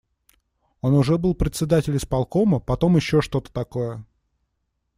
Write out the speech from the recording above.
Он уже был председатель исполкома, потом ещё что-то такое.